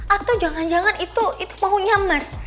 atau jangan jangan itu maunya mas